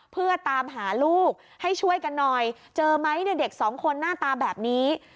เพื่อตามหาลูกให้ช่วยกันหน่อยเจอไหมเนี่ยเด็กสองคนหน้าตาแบบนี้